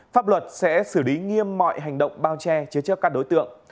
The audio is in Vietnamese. pháp luật sẽ xử lý nghiêm mọi hành động bao che chế chấp các đối tượng